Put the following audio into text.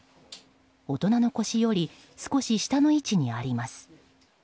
大人の腰より少し下の位置にあります。